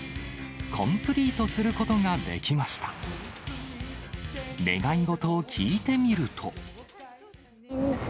コンプリートすることができました。